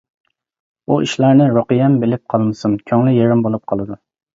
بۇ ئىشلارنى رۇقىيەم بىلىپ قالمىسۇن، كۆڭلى يېرىم بولۇپ قالىدۇ.